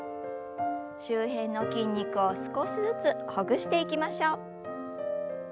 周辺の筋肉を少しずつほぐしていきましょう。